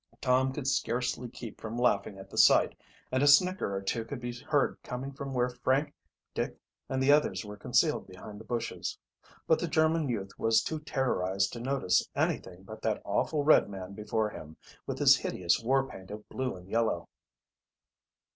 Tom could scarcely keep from laughing at the sight, and a snicker or two could be heard coming from where Frank, Dick, and the others were concealed behind the bushes. But the German youth was too terrorized to notice anything but that awful red man before him, with his hideous war paint of blue and yellow.